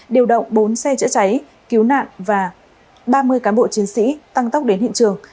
điều động bốn xe chữa cháy cứu nạn và ba mươi cán bộ chiến sĩ tăng tốc đến hiện trường